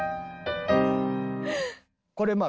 これまあ